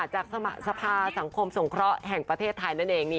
จากสภาสังคมสงเคราะห์แห่งประเทศไทยนั่นเอง